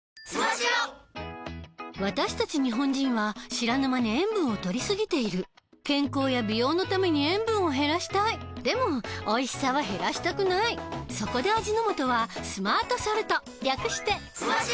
私たち日本人は知らぬ間に塩分をとりすぎている健康や美容のために塩分を減らしたいでもおいしさは減らしたくないそこで味の素は「スマートソルト」略して「スマ塩」！